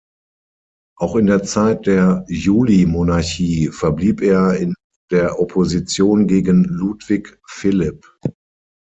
Auch in der Zeit der Julimonarchie verblieb er in der Opposition gegen Ludwig Philipp.